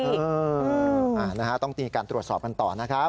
เป็นขยะธรรมดาต้องที่การตรวจสอบกันต่อนะครับ